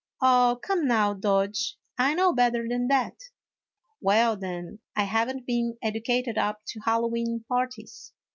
Oh, come now, Dodge, I know better than that." " Well, then, I have n't been educated up to Hal lowe'en parties.